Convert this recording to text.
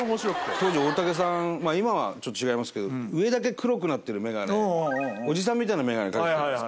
当時大竹さん今はちょっと違いますけど上だけ黒くなってる眼鏡おじさんみたいな眼鏡掛けてたじゃないですか。